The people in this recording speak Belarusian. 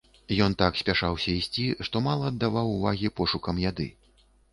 Ён так спяшаўся ісці, што мала аддаваў увагі пошукам яды.